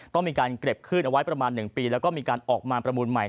ต้องมีการเก็บขึ้นเอาไว้ประมาณ๑ปีแล้วก็มีการออกมาประมูลใหม่